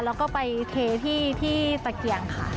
แล้วก็ไปเทที่ตะเกียงค่ะ